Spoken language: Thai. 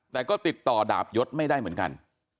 แต่ก็ติดต่อดาบยศไม่ได้เหมือนกัน